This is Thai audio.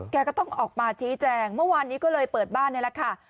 ก็ต้องออกมาชี้แจงเมื่อวานนี้ก็เลยเปิดบ้านนี่แหละค่ะ